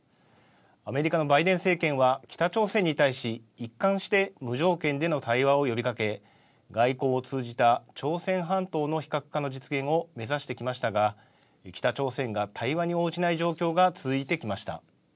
アメリカのバイデン政権は北朝鮮に対し、一貫して無条件での対話を呼びかけ、外交を通じた朝鮮半島の非核化の実現を目指してきましたが、北朝鮮が対話に応じない状況が続いてきました。